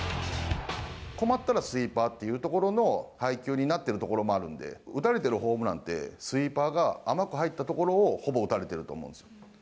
困ったらスイーパーっていうところの配球になってるところもあるんで、打たれてるホームランって、スイーパーが甘く入ったところをほぼ打たれてると思うんですよ。